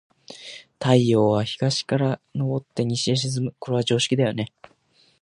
太陽は、東から昇って西に沈む。これは常識だよね。